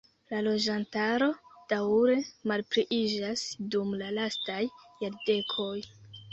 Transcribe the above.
La loĝantaro daŭre malpliiĝas dum la lastaj jardekoj.